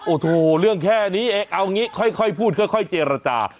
โอ้โหเรื่องแค่นี้เองเอางี้ค่อยพูดค่อยเจรจา